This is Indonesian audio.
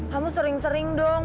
kamu sering sering dong